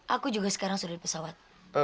aku juga sekarang suruh pesawat